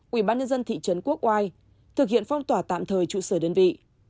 quỹ bán nhân dân thị trấn quốc oai thực hiện phong tỏa tạm thời trụ sở đơn vị